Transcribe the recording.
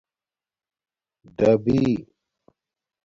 ڈَبئ